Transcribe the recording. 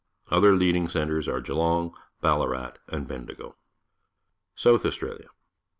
Other leading centres are Geelong, BaUarat, and Bendigp. South Australia.